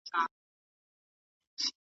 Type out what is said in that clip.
سل روپۍ پور که، یو زوی کابل کي لوی کړه ,